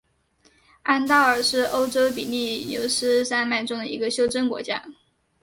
安道尔是欧洲比利牛斯山脉中的一个袖珍国家。